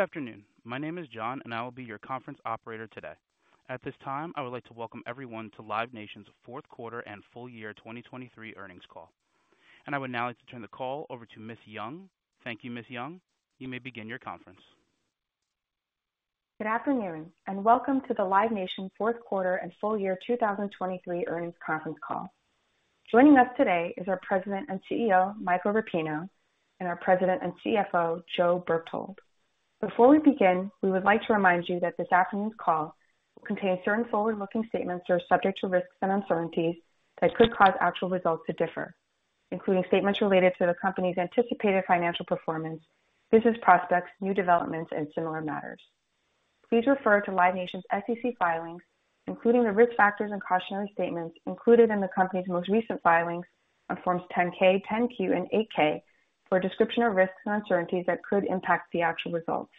Good afternoon. My name is John, and I will be your conference operator today. At this time, I would like to welcome everyone to Live Nation's fourth quarter and full year 2023 earnings call. I would now like to turn the call over to Ms. Yong. Thank you, Ms. Yong. You may begin your conference. Good afternoon, and welcome to the Live Nation fourth quarter and full year 2023 earnings conference call. Joining us today is our President and CEO, Michael Rapino, and our President and CFO, Joe Berchtold. Before we begin, we would like to remind you that this afternoon's call will contain certain forward-looking statements that are subject to risks and uncertainties that could cause actual results to differ, including statements related to the company's anticipated financial performance, business prospects, new developments, and similar matters. Please refer to Live Nation's SEC filings, including the risk factors and cautionary statements included in the company's most recent filings on Forms 10-K, 10-Q, and 8-K for a description of risks and uncertainties that could impact the actual results.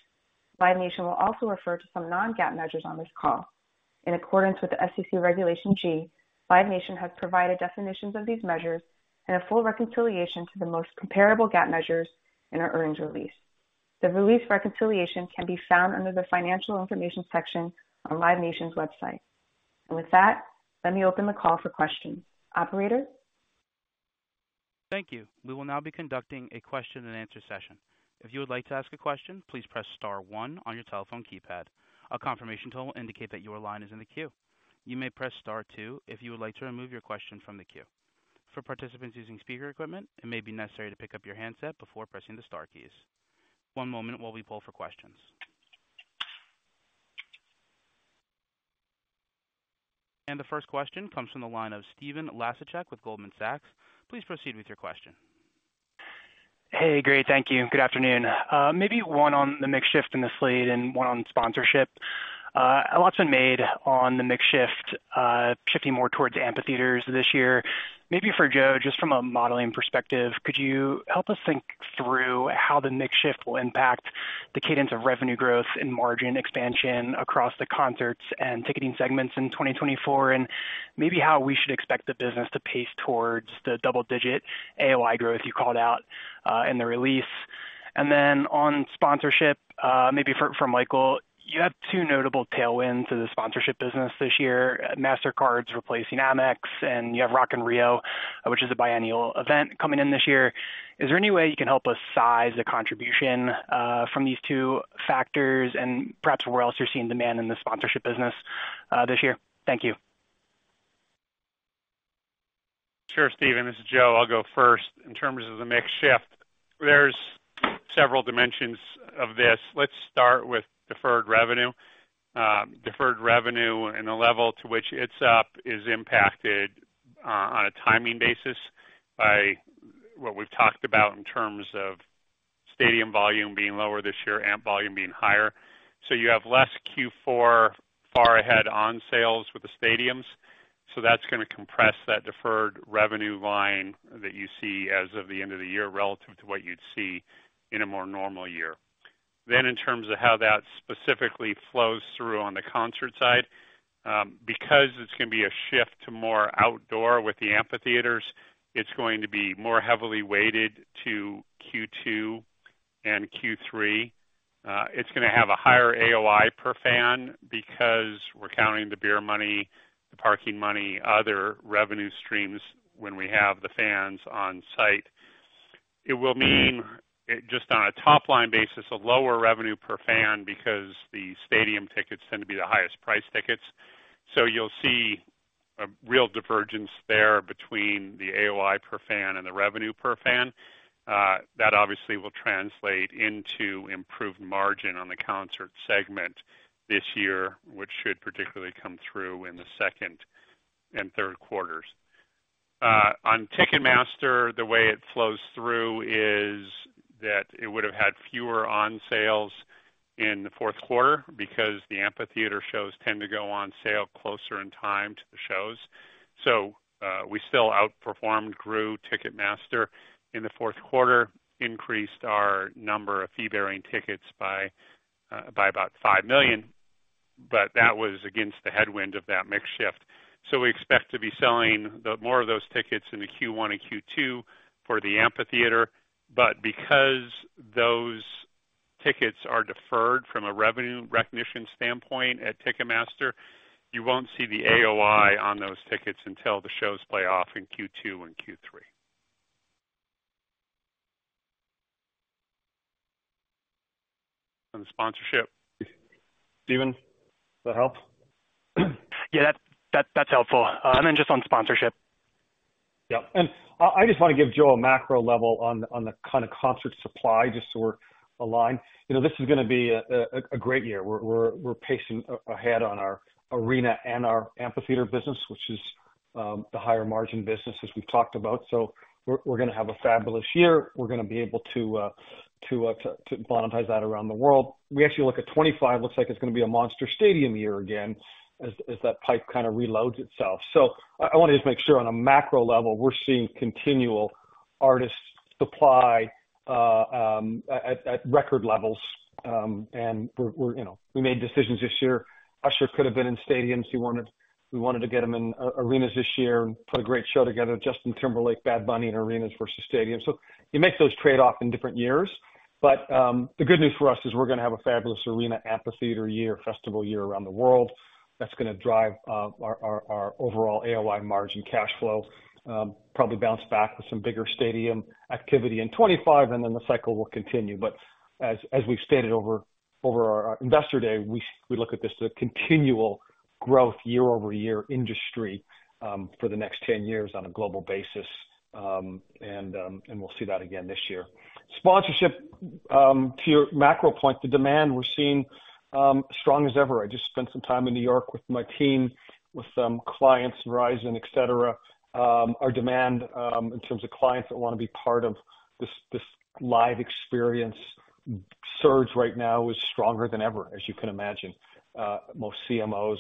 Live Nation will also refer to some non-GAAP measures on this call. In accordance with the SEC Regulation G, Live Nation has provided definitions of these measures and a full reconciliation to the most comparable GAAP measures in our earnings release. The release reconciliation can be found under the Financial Information section on Live Nation's website. With that, let me open the call for questions. Operator? Thank you. We will now be conducting a question-and-answer session. If you would like to ask a question, please press star one on your telephone keypad. A confirmation tone will indicate that your line is in the queue. You may press star two if you would like to remove your question from the queue. For participants using speaker equipment, it may be necessary to pick up your handset before pressing the star keys. One moment while we poll for questions. The first question comes from the line of Stephen Laszczyk with Goldman Sachs. Please proceed with your question. Hey, great. Thank you. Good afternoon. Maybe one on the mix shift in the slate and one on sponsorship. A lot's been made on the mix shift, shifting more towards amphitheaters this year. Maybe for Joe, just from a modeling perspective, could you help us think through how the mix shift will impact the cadence of revenue growth and margin expansion across the concerts and ticketing segments in 2024, and maybe how we should expect the business to pace towards the double-digit AOI growth you called out, in the release? And then on sponsorship, maybe for, for Michael, you have two notable tailwinds in the sponsorship business this year. Mastercard's replacing Amex, and you have Rock in Rio, which is a biennial event coming in this year. Is there any way you can help us size the contribution from these two factors and perhaps where else you're seeing demand in the sponsorship business this year? Thank you. Sure, Stephen, this is Joe. I'll go first. In terms of the mix shift, there's several dimensions of this. Let's start with deferred revenue. Deferred revenue and the level to which it's up is impacted, on a timing basis by what we've talked about in terms of stadium volume being lower this year, amp volume being higher. So you have less Q4 far ahead on-sales with the stadiums, so that's gonna compress that deferred revenue line that you see as of the end of the year relative to what you'd see in a more normal year. Then in terms of how that specifically flows through on the concert side, because it's going to be a shift to more outdoor with the amphitheaters, it's going to be more heavily weighted to Q2 and Q3. It's gonna have a higher AOI per fan because we're counting the beer money, the parking money, other revenue streams when we have the fans on site. It will mean, just on a top-line basis, a lower revenue per fan, because the stadium tickets tend to be the highest priced tickets. So you'll see a real divergence there between the AOI per fan and the revenue per fan. That obviously will translate into improved margin on the concert segment this year, which should particularly come through in the second and third quarters. On Ticketmaster, the way it flows through is that it would have had fewer on-sales in the fourth quarter because the amphitheater shows tend to go on sale closer in time to the shows. We still outperformed, grew Ticketmaster in the fourth quarter, increased our number of fee-bearing tickets by about five million, but that was against the headwind of that mix shift. So we expect to be selling more of those tickets in the Q1 and Q2 for the amphitheater. But because those tickets are deferred from a revenue recognition standpoint at Ticketmaster, you won't see the AOI on those tickets until the shows play off in Q2 and Q3. On the sponsorship, Stephen, does that help? Yeah, that, that's helpful. And then just on sponsorship. Yeah. And I just want to give Joe a macro level on the kind of concert supply, just so we're aligned. You know, this is gonna be a great year. We're pacing ahead on our arena and our amphitheater business, which is the higher margin business, as we've talked about. So we're gonna have a fabulous year. We're gonna be able to monetize that around the world. We actually look at 25, looks like it's gonna be a monster stadium year again, as that pipe kind of reloads itself. So I want to just make sure on a macro level, we're seeing continual artist supply at record levels. And we're, you know, we made decisions this year. Usher could have been in stadiums. We wanted to get him in arenas this year and put a great show together. Justin Timberlake, Bad Bunny in arenas versus stadiums. So you make those trade-offs in different years. But, the good news for us is we're gonna have a fabulous arena amphitheater year, festival year around the world. That's gonna drive our overall AOI margin cash flow, probably bounce back with some bigger stadium activity in 25, and then the cycle will continue. But as we've stated over our investor day, we look at this as a continual growth year-over-year industry for the next 10 years on a global basis. And we'll see that again this year. Sponsorship, to your macro point, the demand we're seeing strong as ever. I just spent some time in New York with my team, with some clients, Verizon, et cetera. Our demand in terms of clients that wanna be part of this, this live experience surge right now is stronger than ever, as you can imagine. Most CMOs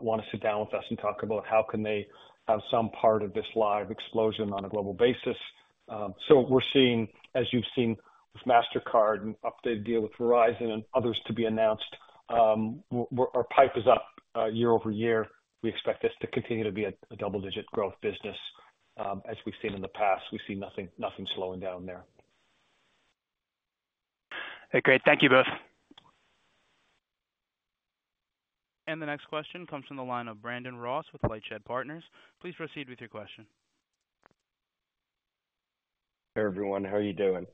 wanna sit down with us and talk about how can they have some part of this live explosion on a global basis. So we're seeing, as you've seen with Mastercard and updated deal with Verizon and others to be announced, our pipe is up year-over-year. We expect this to continue to be a double-digit growth business. As we've seen in the past, we see nothing slowing down there. Hey, great. Thank you both. The next question comes from the line of Brandon Ross with LightShed Partners. Please proceed with your question. Hey, everyone, how are you doing?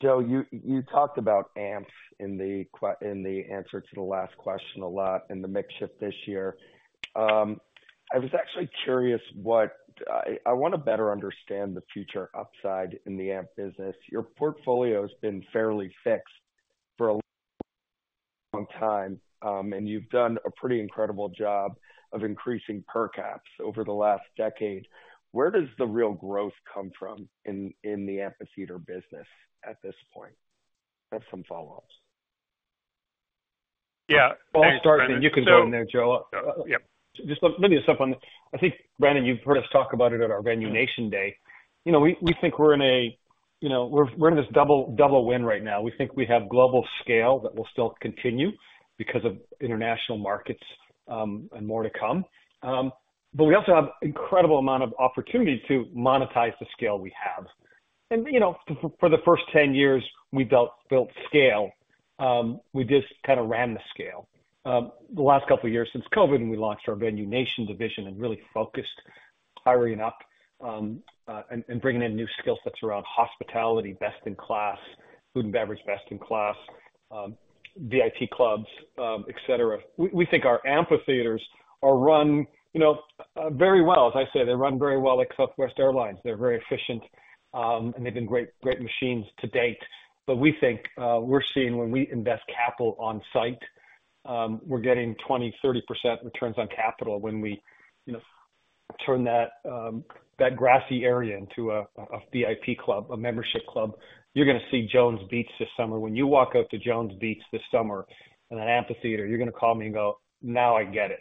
Joe, you talked about amps in the answer to the last question a lot in the mix shift this year. I was actually curious what—I wanna better understand the future upside in the amp business. Your portfolio has been fairly fixed for a long time, and you've done a pretty incredible job of increasing per caps over the last decade. Where does the real growth come from in the amphitheater business at this point? I have some follow-ups. Yeah. I'll start, then you can go in there, Joe. Yeah. Just let me update on... I think, Brandon, you've heard us talk about it at our Venue Nation Day. You know, we think we're in a, you know, we're in this double win right now. We think we have global scale that will still continue because of international markets, and more to come. But we also have incredible amount of opportunity to monetize the scale we have. And, you know, for the first 10 years, we built scale. We just kind of ran the scale. The last couple of years since COVID, and we launched our Venue Nation division and really focused hiring up, and bringing in new skill sets around hospitality, best in class, food and beverage, best in class, VIP clubs, et cetera. We think our amphitheaters are run, you know, very well. As I say, they're run very well like Southwest Airlines. They're very efficient, and they've been great, great machines to date. But we think we're seeing when we invest capital on site, we're getting 20%-30% returns on capital when we, you know, turn that, that grassy area into a VIP club, a membership club. You're gonna see Jones Beach this summer. When you walk out to Jones Beach this summer in an amphitheater, you're gonna call me and go, "Now I get it.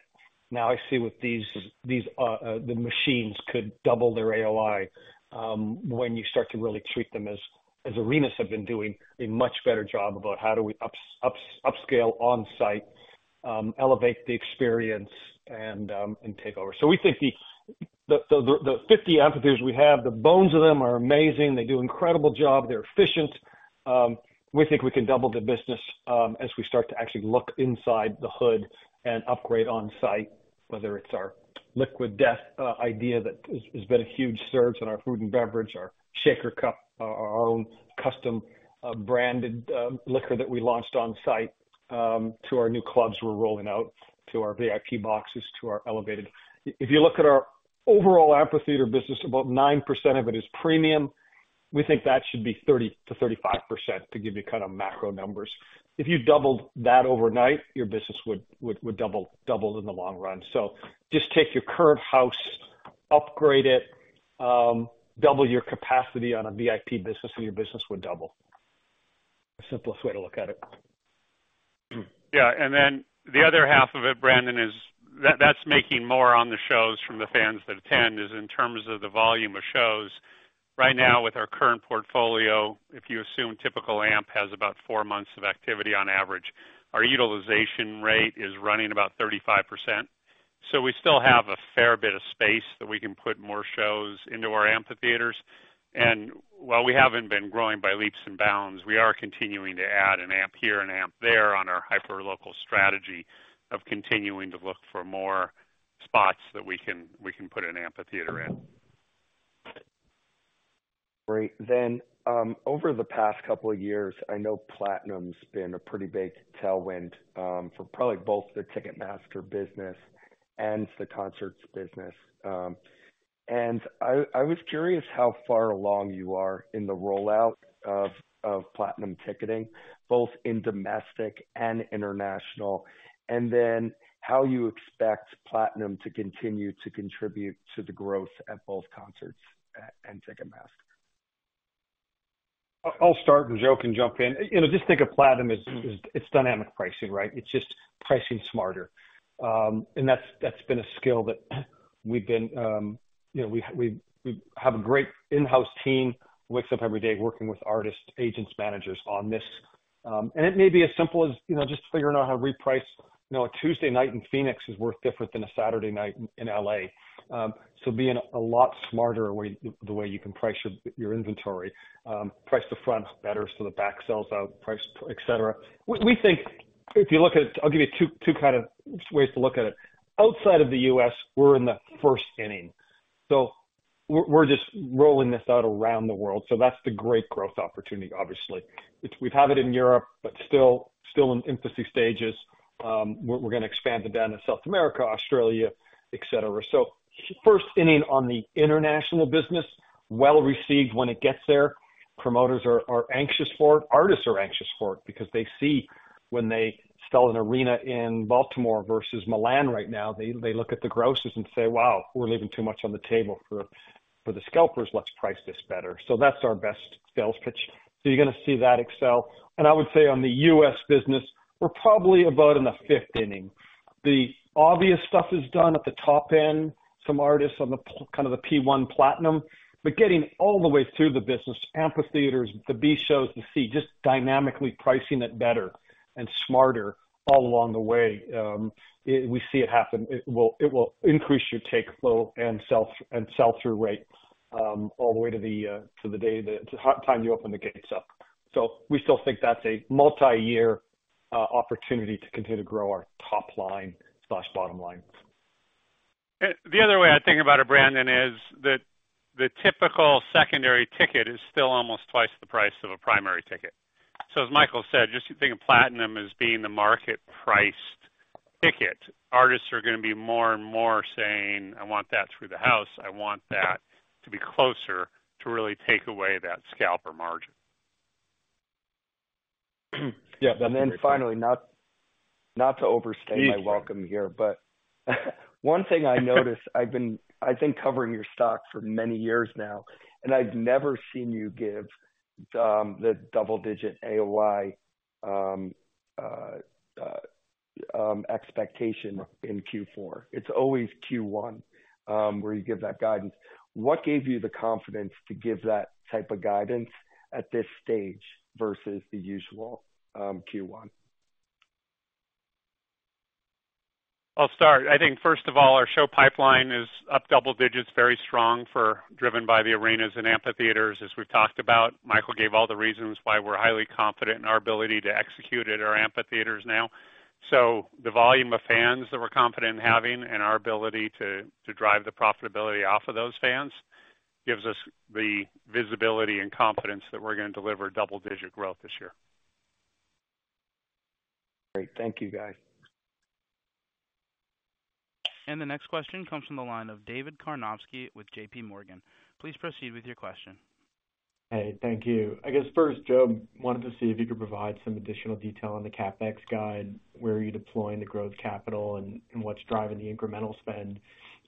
Now I see what these, these, the machines could double their AOI, when you start to really treat them as, as arenas have been doing a much better job about how do we upscale on site, elevate the experience and, and take over. So we think the, the, the, the 50 amphitheaters we have, the bones of them are amazing. They do an incredible job. They're efficient. We think we can double the business, as we start to actually look inside the hood and upgrade on site, whether it's our Liquid Death idea that has been a huge surge in our food and beverage, our shaker cup, our own custom branded liquor that we launched on site, to our new clubs, we're rolling out to our VIP boxes, to our elevated. If you look at our overall amphitheater business, about 9% of it is premium. We think that should be 30%-35% to give you kind of macro numbers. If you doubled that overnight, your business would double in the long run. So just take your current house, upgrade it, double your capacity on a VIP business, and your business would double. The simplest way to look at it. Yeah, and then the other half of it, Brandon, is that's making more on the shows from the fans that attend, is in terms of the volume of shows. Right now, with our current portfolio, if you assume typical amp has about four months of activity on average, our utilization rate is running about 35%. So we still have a fair bit of space that we can put more shows into our amphitheaters. While we haven't been growing by leaps and bounds, we are continuing to add an amp here and amp there on our hyperlocal strategy of continuing to look for more spots that we can, we can put an amphitheater in. Great. Then, over the past couple of years, I know Platinum's been a pretty big tailwind for probably both the Ticketmaster business and the concerts business. And I was curious how far along you are in the rollout of Platinum ticketing, both in domestic and international, and then how you expect Platinum to continue to contribute to the growth at both concerts and Ticketmaster. I'll start, and Joe can jump in. You know, just think of Platinum as it's dynamic pricing, right? It's just pricing smarter. And that's been a skill that we've been. You know, we have a great in-house team, wakes up every day working with artists, agents, managers on this. And it may be as simple as, you know, just figuring out how to reprice. You know, a Tuesday night in Phoenix is worth different than a Saturday night in L.A. So being a lot smarter way, the way you can price your inventory, price the front better, so the back sells out, price, et cetera. We think if you look at. I'll give you two kind of ways to look at it. Outside of the U.S., we're in the first inning, so we're just rolling this out around the world. So that's the great growth opportunity obviously. It's. We have it in Europe, but still in infancy stages. We're gonna expand it down to South America, Australia, et cetera. So first inning on the international business, well received when it gets there. Promoters are anxious for it. Artists are anxious for it because they see when they sell an arena in Baltimore versus Milan right now, they look at the grosses and say, "Wow, we're leaving too much on the table for the scalpers. Let's price this better." So that's our best sales pitch. So you're gonna see that excel. And I would say on the U.S. business, we're probably about in the fifth inning. The obvious stuff is done at the top end, some artists on the P1 kind of the P1 Platinum, but getting all the way through the business, amphitheaters, the B shows, the C, just dynamically pricing it better and smarter all along the way. We see it happen. It will increase your take flow and sell-through rates all the way to the time you open the gates up. So we still think that's a multi-year opportunity to continue to grow our top line/bottom line. The other way I think about it, Brandon, is that the typical secondary ticket is still almost twice the price of a primary ticket. So as Michael said, just think of Platinum as being the market-priced ticket. Artists are gonna be more and more saying, "I want that through the house. I want that to be closer to really take away that scalper margin. Yeah. And then finally, not to overstay my welcome here, but one thing I noticed, I've been covering your stock for many years now, and I've never seen you give the double-digit AOI expectation in Q4. It's always Q1 where you give that guidance. What gave you the confidence to give that type of guidance at this stage versus the usual Q1? I'll start. I think, first of all, our show pipeline is up double digits, very strong, driven by the arenas and amphitheaters, as we've talked about. Michael gave all the reasons why we're highly confident in our ability to execute at our amphitheaters now. So the volume of fans that we're confident in having and our ability to drive the profitability off of those fans gives us the visibility and confidence that we're gonna deliver double digit growth this year. Great. Thank you, guys. The next question comes from the line of David Karnovsky with JPMorgan. Please proceed with your question. Hey, thank you. I guess first, Joe, wanted to see if you could provide some additional detail on the CapEx guide, where are you deploying the growth capital and what's driving the incremental spend,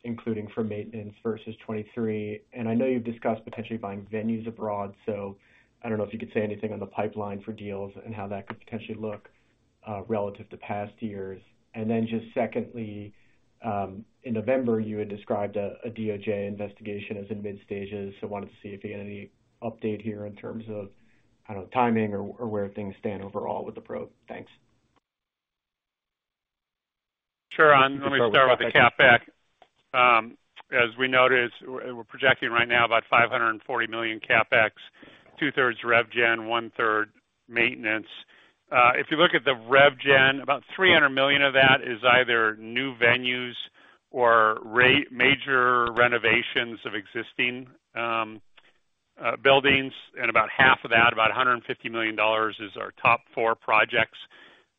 including for maintenance versus 2023. And I know you've discussed potentially buying venues abroad, so I don't know if you could say anything on the pipeline for deals and how that could potentially look relative to past years. And then just secondly, in November, you had described a DOJ investigation as in mid stages, so wanted to see if you had any update here in terms of, I don't know, timing or where things stand overall with the probe. Thanks. Sure. Let me start with the CapEx. As we noticed, we're projecting right now about $540 million CapEx, two thirds rev gen, one third maintenance. If you look at the rev gen, about $300 million of that is either new venues or major renovations of existing buildings. And about half of that, about $150 million, is our top four projects,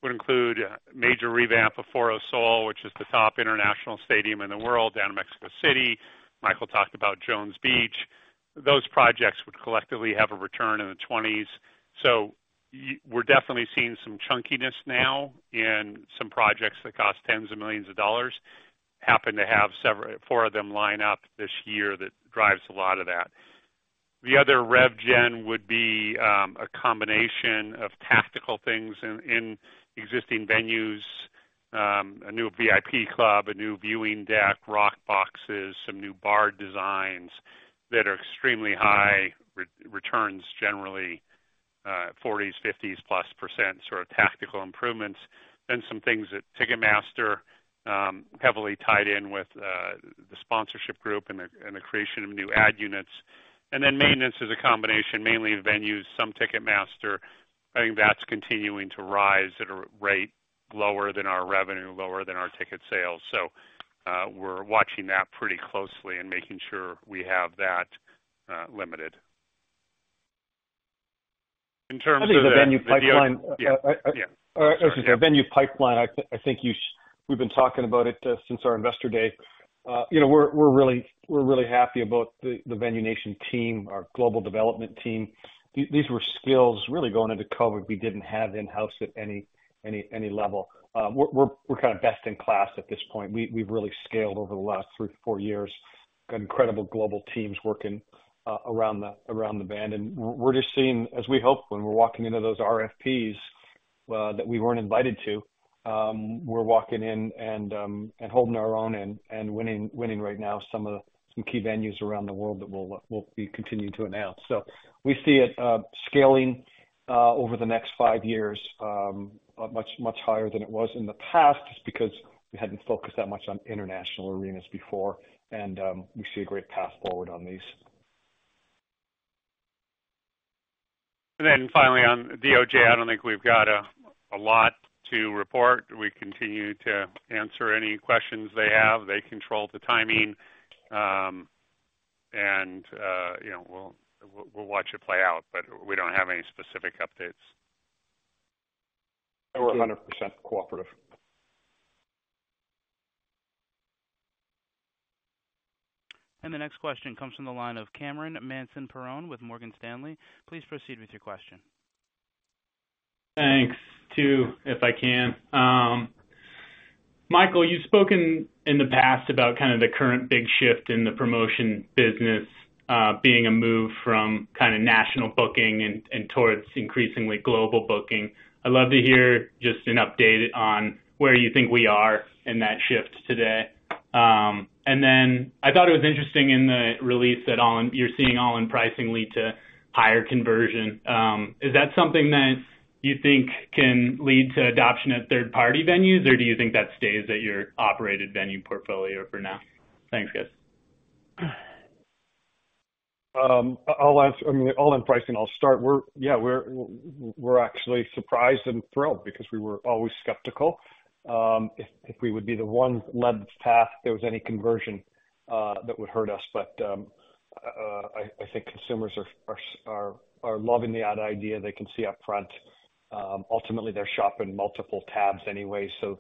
would include a major revamp of Foro Sol, which is the top international stadium in the world, down in Mexico City. Michael talked about Jones Beach. Those projects would collectively have a return in the twenties. So we're definitely seeing some chunkiness now in some projects that cost tens of millions of dollars. Happen to have four of them line up this year that drives a lot of that. The other rev gen would be a combination of tactical things in existing venues, a new VIP club, a new viewing deck, Rock Boxes, some new bar designs that are extremely high returns, generally 40s, 50s%+, sort of tactical improvements. Then some things at Ticketmaster, heavily tied in with the sponsorship group and the creation of new ad units. And then maintenance is a combination, mainly in venues, some Ticketmaster. I think that's continuing to rise at a rate lower than our revenue, lower than our ticket sales. So, we're watching that pretty closely and making sure we have that limited. In terms of the- I think the venue pipeline- Yeah. Yeah. The venue pipeline, I think we've been talking about it since our investor day. You know, we're really happy about the VenueNation team, our global development team. These were skills really going into COVID, we didn't have in-house at any level. We're kind of best in class at this point. We've really scaled over the last three to four years, got incredible global teams working around the band. And we're just seeing, as we hope when we're walking into those RFPs that we weren't invited to, we're walking in and holding our own and winning right now, some of the some key venues around the world that we'll be continuing to announce. So we see it scaling over the next 5 years much, much higher than it was in the past, just because we hadn't focused that much on international arenas before, and we see a great path forward on these. Then finally, on DOJ, I don't think we've got a lot to report. We continue to answer any questions they have. They control the timing. You know, we'll watch it play out, but we don't have any specific updates. We're 100% cooperative. The next question comes from the line of Cameron Mansson-Perrone with Morgan Stanley. Please proceed with your question. Thanks. Two, if I can. Michael, you've spoken in the past about kind of the current big shift in the promotion business, being a move from kind of national booking and towards increasingly global booking. I'd love to hear just an update on where you think we are in that shift today. And then I thought it was interesting in the release that all-in—you're seeing all-in pricing lead to higher conversion. Is that something that you think can lead to adoption at third-party venues, or do you think that stays at your operated venue portfolio for now? Thanks, guys. I'll answer, I mean, all-in pricing, I'll start. Yeah, we're actually surprised and thrilled because we were always skeptical if we would be the one lead path if there was any conversion that would hurt us. But I think consumers are loving the all-in idea. They can see up front. Ultimately, they're shopping multiple tabs anyway, so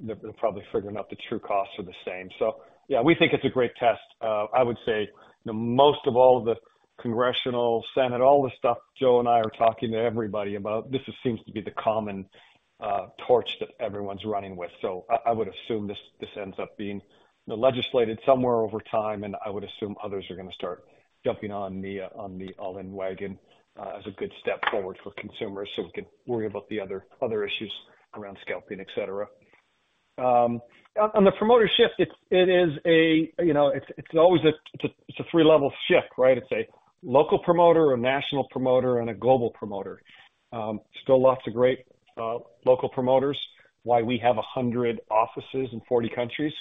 they're probably figuring out the true costs are the same. So yeah, we think it's a great test. I would say the most of all, the congressional Senate, all the stuff Joe and I are talking to everybody about, this seems to be the common torch that everyone's running with. So I would assume this ends up being legislated somewhere over time, and I would assume others are gonna start jumping on the, on the all-in wagon, as a good step forward for consumers, so we can worry about the other issues around scalping, et cetera. On the promoter shift, it's always a three-level shift, right? It's a local promoter, a national promoter, and a global promoter. Still lots of great local promoters. Why we have 100 offices in 40 countries,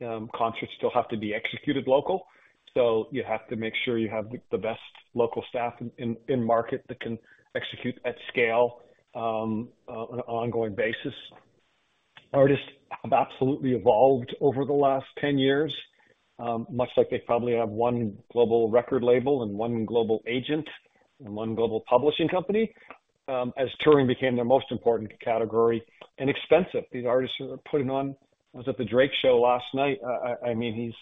concerts still have to be executed local, so you have to make sure you have the best local staff in market that can execute at scale, on an ongoing basis. Artists have absolutely evolved over the last 10 years, much like they probably have one global record label and one global agent and one global publishing company, as touring became their most important category and expensive. These artists are putting on... I was at the Drake show last night. I mean, he's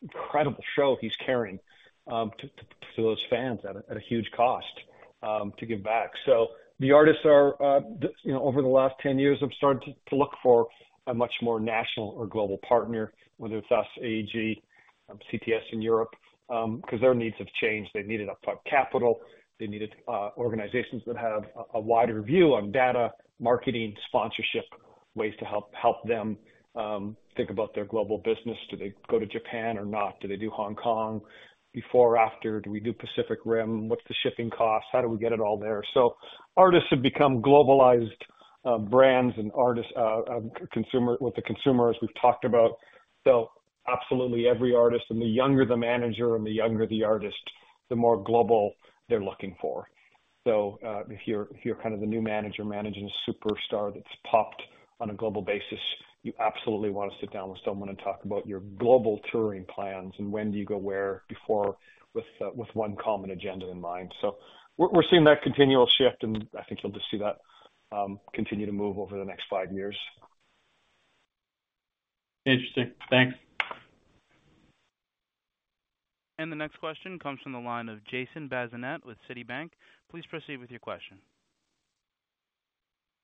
incredible show he's carrying, to those fans at a huge cost, to give back. So the artists are, you know, over the last 10 years, have started to look for a much more national or global partner, whether it's us, AEG, CTS in Europe, because their needs have changed. They needed up capital. They needed organizations that have a wider view on data, marketing, sponsorship, ways to help them think about their global business. Do they go to Japan or not? Do they do Hong Kong before or after? Do we do Pacific Rim? What's the shipping cost? How do we get it all there? So artists have become globalized brands and artists with the consumer, as we've talked about. So absolutely every artist, and the younger the manager or the younger the artist, the more global they're looking for. So, if you're kind of the new manager managing a superstar that's popped on a global basis, you absolutely want to sit down with someone and talk about your global touring plans and when do you go where before, with one common agenda in mind. So we're seeing that continual shift, and I think you'll just see that continue to move over the next five years. Interesting. Thanks. The next question comes from the line of Jason Bazinet with Citibank. Please proceed with your question.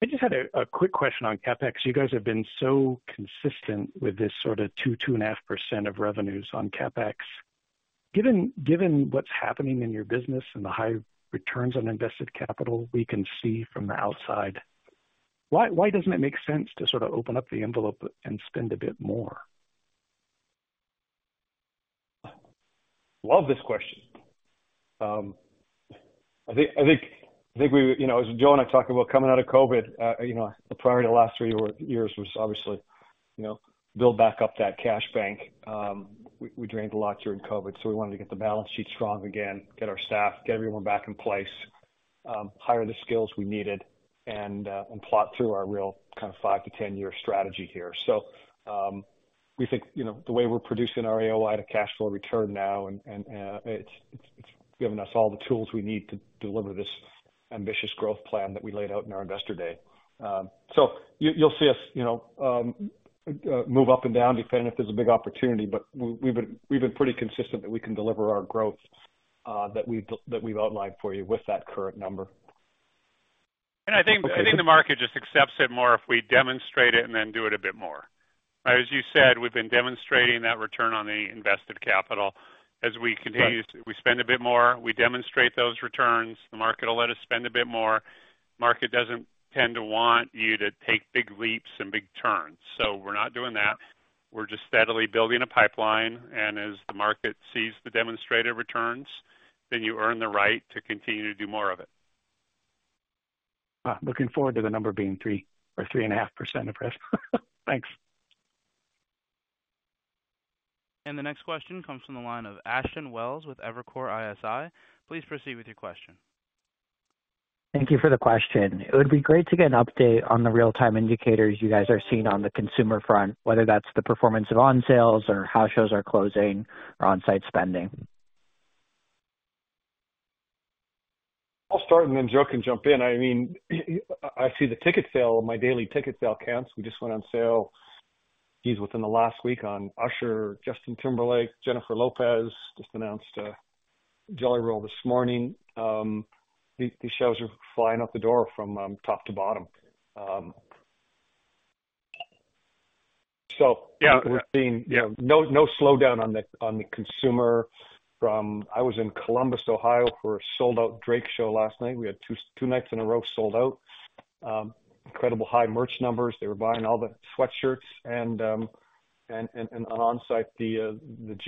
I just had a quick question on CapEx. You guys have been so consistent with this sort of 2%-2.5% of revenues on CapEx. Given what's happening in your business and the high returns on invested capital, we can see from the outside, why doesn't it make sense to sort of open up the envelope and spend a bit more? Love this question. I think we—you know, as Joe and I talked about coming out of COVID, you know, the priority of the last three years was obviously, you know, build back up that cash bank. We drained a lot during COVID, so we wanted to get the balance sheet strong again, get our staff, get everyone back in place, hire the skills we needed and plot through our real kind of five to 10-year strategy here. So, we think, you know, the way we're producing our AOI to cash flow return now and it's giving us all the tools we need to deliver this ambitious growth plan that we laid out in our Investor Day. So you'll see us, you know, move up and down, depending if there's a big opportunity, but we've been pretty consistent that we can deliver our growth that we've outlined for you with that current number. Okay. I think, I think the market just accepts it more if we demonstrate it and then do it a bit more. ... As you said, we've been demonstrating that return on the invested capital. As we continue, we spend a bit more, we demonstrate those returns. The market will let us spend a bit more. The market doesn't tend to want you to take big leaps and big turns, so we're not doing that. We're just steadily building a pipeline, and as the market sees the demonstrated returns, then you earn the right to continue to do more of it. Looking forward to the number being 3% or 3.5% of revenue. Thanks. The next question comes from the line of Ashton Welles with Evercore ISI. Please proceed with your question. Thank you for the question. It would be great to get an update on the real-time indicators you guys are seeing on the consumer front, whether that's the performance of on-sales or how shows are closing or on-site spending. I'll start, and then Joe can jump in. I mean, I see the ticket sale, my daily ticket sale counts. We just went on sale. These within the last week on Usher, Justin Timberlake, Jennifer Lopez, just announced, Jelly Roll this morning. These shows are flying out the door from top to bottom. So yeah, we're seeing, yeah, no, no slowdown on the, on the consumer from... I was in Columbus, Ohio, for a sold-out Drake show last night. We had two nights in a row sold out. Incredible high merch numbers. They were buying all the sweatshirts and on-site, the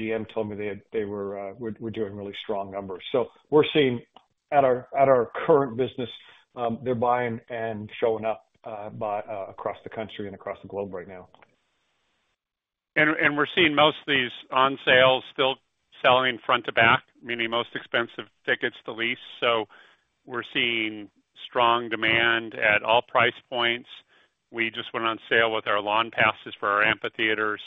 GM told me they were, we're doing really strong numbers. So we're seeing at our current business, they're buying and showing up across the country and across the globe right now. And we're seeing most of these on-sales still selling front to back, meaning most expensive tickets, the least. So we're seeing strong demand at all price points. We just went on sale with our Lawn Passes for our amphitheaters,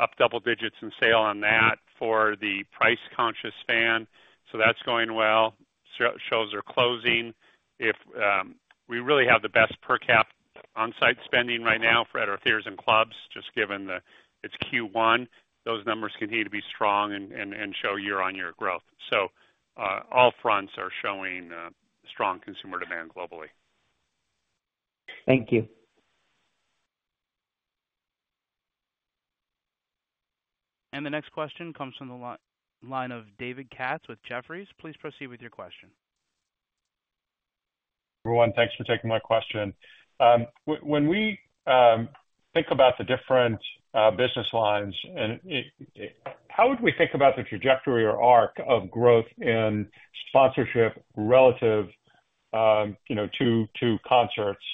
up double digits in sales on that for the price-conscious fan, so that's going well. Shows are closing. We really have the best per cap on-site spending right now for our theaters and clubs, just given that it's Q1, those numbers continue to be strong and show year-on-year growth. So all fronts are showing strong consumer demand globally. Thank you. The next question comes from the line of David Katz with Jefferies. Please proceed with your question. Everyone, thanks for taking my question. When we think about the different business lines, and how would we think about the trajectory or arc of growth in sponsorship relative, you know, to concerts?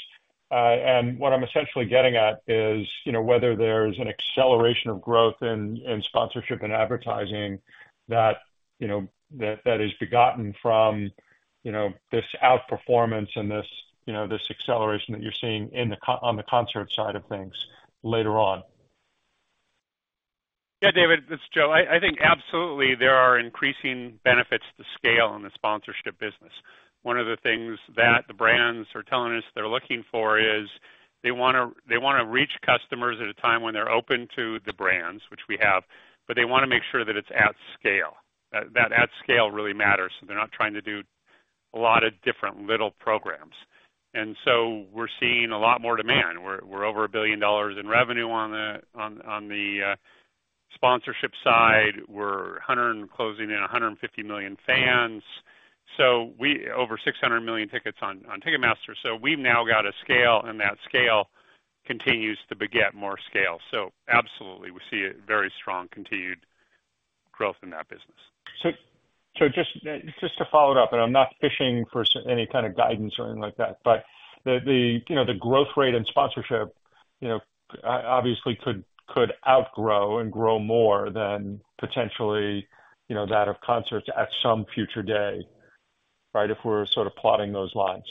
And what I'm essentially getting at is, you know, whether there's an acceleration of growth in sponsorship and advertising that, you know, that has begotten from, you know, this outperformance and this, you know, this acceleration that you're seeing in the concert side of things later on. Yeah, David, it's Joe. I think absolutely there are increasing benefits to scale in the sponsorship business. One of the things that the brands are telling us they're looking for is, they wanna, they wanna reach customers at a time when they're open to the brands, which we have, but they wanna make sure that it's at scale. That at scale really matters, so they're not trying to do a lot of different little programs. And so we're seeing a lot more demand. We're over $1 billion in revenue on the sponsorship side. We're 100 and closing in 150 million fans, so over 600 million tickets on Ticketmaster. So we've now got a scale, and that scale continues to beget more scale. So absolutely, we see a very strong continued growth in that business. So just to follow it up, and I'm not fishing for any kind of guidance or anything like that, but you know, the growth rate in sponsorship, you know, obviously could outgrow and grow more than potentially, you know, that of concerts at some future day, right? If we're sort of plotting those lines.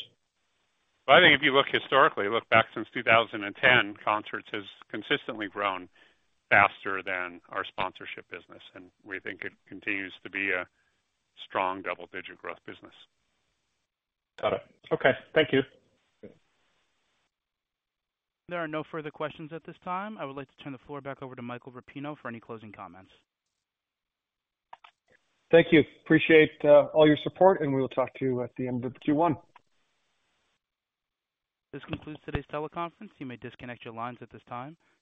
I think if you look historically, look back since 2010, concerts has consistently grown faster than our sponsorship business, and we think it continues to be a strong double-digit growth business. Got it. Okay, thank you. There are no further questions at this time. I would like to turn the floor back over to Michael Rapino for any closing comments. Thank you. Appreciate, all your support, and we will talk to you at the end of the Q1. This concludes today's teleconference. You may disconnect your lines at this time.